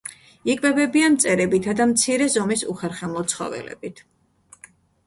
იკვებებიან მწერებითა და მცირე ზომის უხერხემლო ცხოველებით.